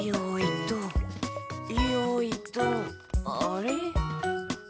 あれ？